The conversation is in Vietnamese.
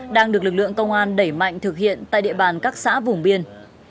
đang được lực lượng công an đẩy mạnh thực hiện tại địa bàn các xã vùng biên